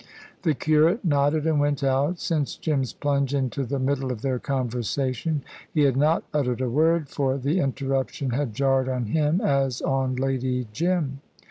The curate nodded and went out. Since Jim's plunge into the middle of their conversation he had not uttered a word, for the interruption had jarred on him, as on Lady Jim.